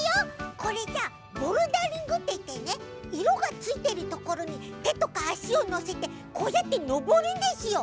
これさボルダリングっていってねいろがついてるところにてとかあしをのせてこうやってのぼるんですよ。